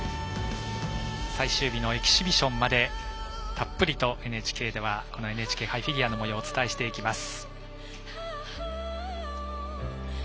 最終日のエキシビションまでたっぷりとＮＨＫではＮＨＫ杯フィギュアのもようをお伝えしていきます。